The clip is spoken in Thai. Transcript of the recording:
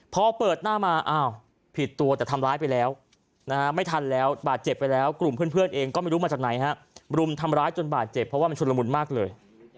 พอเปิดหน้ามาอ้าวผิดตัวแต่ทำร้ายไปแล้วไม่ทันแล้วบาดเจ็บไปแล้วกลุ่มเพื่อนเองก็ไม่รู้มาจากไหนฮะรุมทำร้ายจนบาดเจ็บเพราะว่ามันชุดละมุนมากเลย